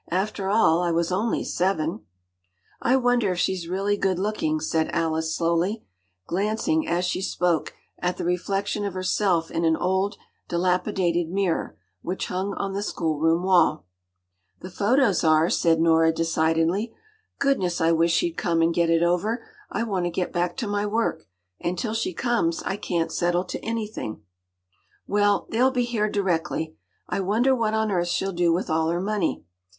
After all I was only seven.” “I wonder if she’s really good looking,” said Alice slowly, glancing, as she spoke, at the reflection of herself in an old dilapidated mirror, which hung on the schoolroom wall. “The photos are,” said Nora decidedly. “Goodness, I wish she’d come and get it over. I want to get back to my work—and till she comes, I can’t settle to anything.” “Well, they’ll be here directly. I wonder what on earth she’ll do with all her money.